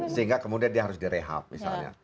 sehingga kemudian dia harus direhab misalnya